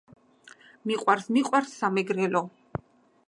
მიყვარს მიყვარს სამეგრელო